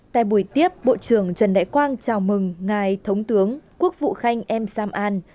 tại buổi tiếp bộ trưởng trần đại quang chào mừng ngài thống tướng quốc vụ khanh em sam an